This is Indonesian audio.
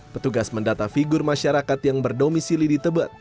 petugas mendata figur masyarakat yang berdomisili di tebet